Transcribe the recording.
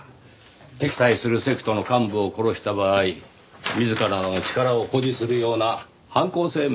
敵対するセクトの幹部を殺した場合自らの力を誇示するような犯行声明を出したものです。